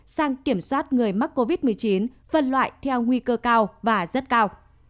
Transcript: sang kiểm soát người mắc covid một mươi chín phân loại theo nguy cơ cao và rất cao